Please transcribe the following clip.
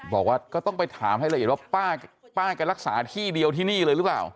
บอกว่าก็ต้องไปถามให้ละเอียดว่าป้าแกรักษาที่เดียวที่นี่เลยหรือเปล่า